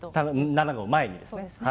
７号前にですね。